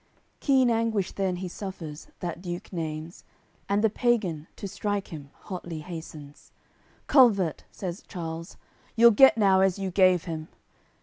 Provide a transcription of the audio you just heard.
AOI. CCXLIX Keen anguish then he suffers, that Duke Naimes, And the pagan, to strike him, hotly hastens. "Culvert," says Charles, "You'll get now as you gave him!"